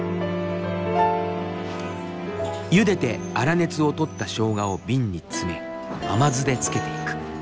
ゆでて粗熱を取ったしょうがを瓶に詰め甘酢で漬けていく。